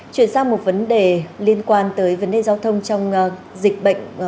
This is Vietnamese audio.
chuyển sang một vấn đề liên quan tới vấn đề giao thông trong dịch bệnh